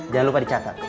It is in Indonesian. jangan lupa dicatat